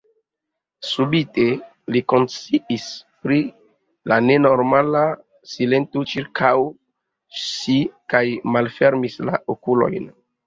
Subite li konsciis pri la nenormala silento ĉirkaŭ si kaj malfermis la okulojn.